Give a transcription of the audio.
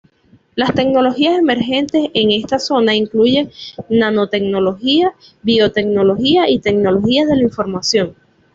Las tecnologías emergentes en esta zona incluyen nanotecnología, biotecnología y tecnologías de la información.